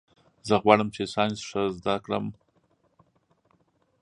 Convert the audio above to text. زه غواړم چي ساینس ښه سم زده کړم.